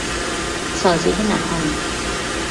سازهی نهایی